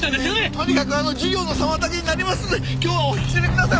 とにかく授業の妨げになりますので今日はお引き取りください。